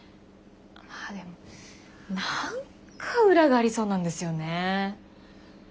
でも何か裏がありそうなんですよねえ。